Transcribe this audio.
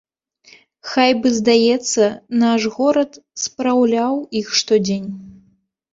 Хай бы, здаецца, наш горад спраўляў іх штодзень.